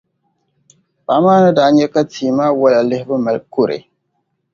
paɣ’ maa ni daa nya ka tia maa wala lihibu mali kɔre.